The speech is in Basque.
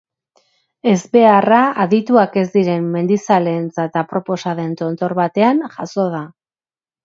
Ezbeharra adituak ez diren mendizaleentzat aproposa den tontor batean jazo da.